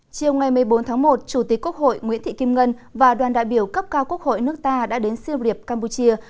chiều ngày một mươi bốn tháng một chủ tịch quốc hội nguyễn thị kim ngân và đoàn đại biểu cấp cao quốc hội nước ta đã đến siêu riệp campuchia